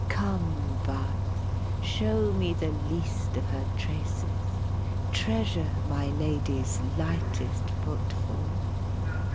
Come, bud, show me the least of her traces, Treasure my lady's lightest footfall!